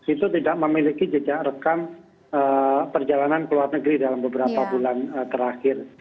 itu tidak memiliki jejak rekam perjalanan ke luar negeri dalam beberapa bulan terakhir